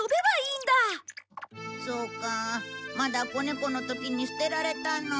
まだ子猫の時に捨てられたの。